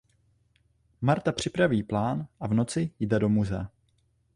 Marta připraví plán a v noci jde do muzea.